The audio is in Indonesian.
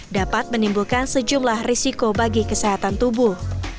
dapat menimbulkan sejumlah risiko bagi kesehatan tubuh